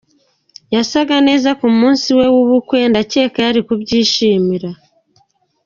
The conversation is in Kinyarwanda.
Yasaga neza ku munsi we w’ubukwe, ndakeka yari kubyishimira.